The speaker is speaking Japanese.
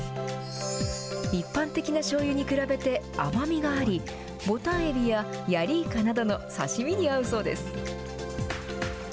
一般的なしょうゆに比べて甘みがあり、ボタンエビやヤリイカなどの刺身に合うそうです。